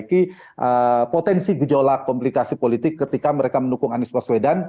untuk memperbaiki potensi gejolak komplikasi politik ketika mereka menukung anies maswedan